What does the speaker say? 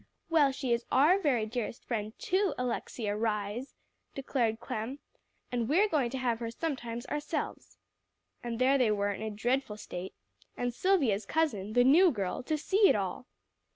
"Well, so she is our very dearest friend, too, Alexia Rhys," declared Clem, "and we're going to have her sometimes, ourselves." And there they were in a dreadful state, and Silvia's cousin, the new girl, to see it all!